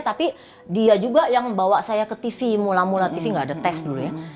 tapi dia juga yang bawa saya ke tv mula mula tv nggak ada tes dulu ya